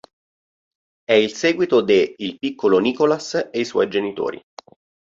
È il séguito de "Il piccolo Nicolas e i suoi genitori".